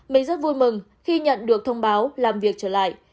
mình rất vui mừng khi nhận được thông báo làm việc trở lại